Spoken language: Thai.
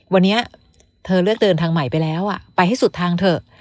วันนี้เธอเลือกเดินทางใหม่ไปแล้วไปให้สุดทางเถอะ